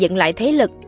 dựng lại thế lực